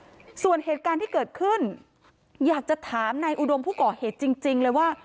ส่วนเหตุการณ์ที่เกิดขึ้นอยากจะถามนายอุดมผู้ก่อเหตุจริงจริงเลยว่า